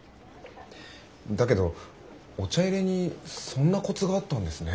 だけどお茶いれにそんなコツがあったんですね。